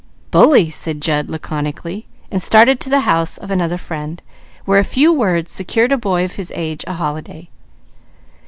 "Bully!" said Jud laconically, and started to the house of another friend, where a few words secured a boy of his age a holiday.